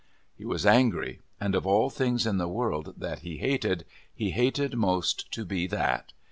He was angry, and of all things in the world that he hated, he hated most to be that.